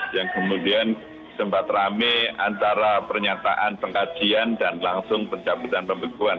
yang kemudian sempat rame antara pernyataan pengkajian dan langsung pencabutan pembekuan